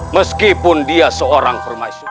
meskipun dia seorang permaisur